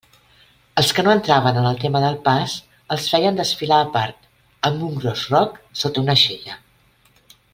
Els que no entraven en el tema del pas els feien desfilar a part amb un gros roc sota una aixella.